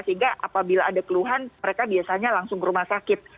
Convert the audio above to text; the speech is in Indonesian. sehingga apabila ada keluhan mereka biasanya langsung ke rumah sakit